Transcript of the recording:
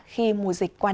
khi mùa dịch qua năm